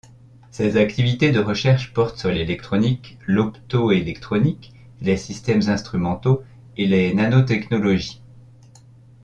Ses activités de recherche portent sur l'électronique, l'opto-électronique, les systèmes instrumentaux et les nanotechnologies.